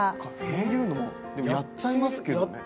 そういうのでもやっちゃいますけどね。